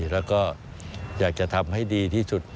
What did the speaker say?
แล้วก็อยากจะทำให้ดีที่สุด